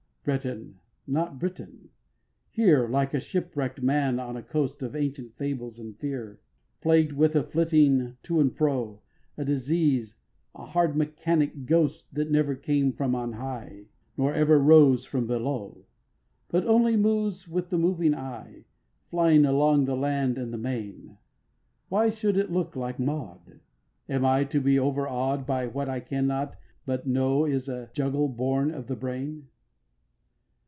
5. Breton, not Briton; here Like a shipwreck'd man on a coast Of ancient fable and fear Plagued with a flitting to and fro, A disease, a hard mechanic ghost That never came from on high Nor ever arose from below, But only moves with the moving eye, Flying along the land and the main Why should it look like Maud? Am I to be overawed By what I cannot but know Is a juggle born of the brain?